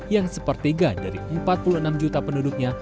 yang sepertiga dari empat puluh enam juta penduduknya